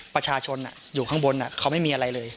ประชาชนอยู่ข้างบนเขาไม่มีอะไรเลย